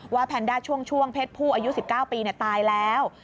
แพนด้าช่วงเพศผู้อายุ๑๙ปีตายแล้ว